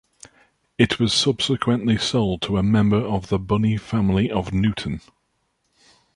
It was subsequently sold to a member of the Bunny family of Newton.